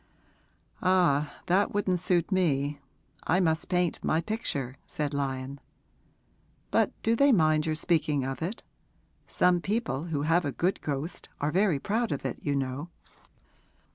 'Ah, that wouldn't suit me; I must paint my picture,' said Lyon. 'But do they mind your speaking of it? Some people who have a good ghost are very proud of it, you know.'